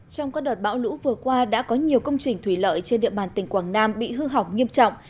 trong các đợt bão lũ vừa qua đã có nhiều công trình thủy lợi trên địa bàn tỉnh quảng nam bị hư hỏng nghiêm trọng